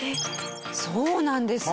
そうなんです。